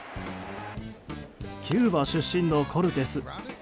キューバ出身のコルテス。